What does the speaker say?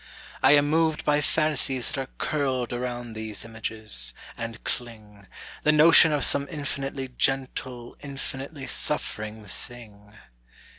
I am moved by fancies that are curled Around these images, and cling: The notion of some infinitely gentle Infinitely suffering thing.